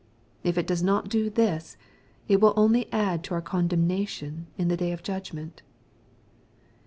If it does not do this, it will only add to our condemnation in the day of judgment.